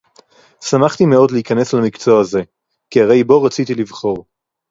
שמחתי מאוד להיכנס למקצוע זה, כי הרי בו רציתי לבחור.